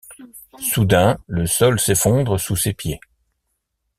Soudain le sol s'effondre sous ses pieds.